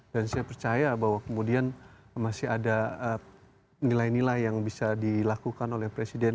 dan saya percaya bahwa kemudian masih ada nilai nilai yang bisa dilakukan oleh presiden